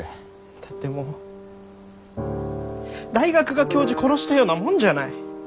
だってもう大学が教授殺したようなもんじゃない！